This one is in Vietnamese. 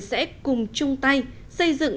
sẽ cùng chung tay xây dựng